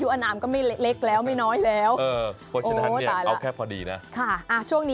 เห็นน้องก็สนุกสนานเลยอยากจะลองฝึกบ้าง